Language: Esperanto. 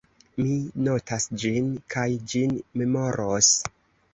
Mi notas ĝin, kaj ĝin memoros.